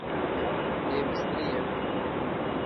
اي مستري هي.